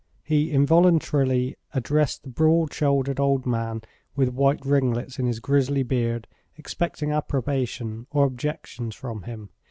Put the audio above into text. He involuntarily addressed the broad shouldered old man with white ringlets in his grizzly beard, expecting approbation or objections from him.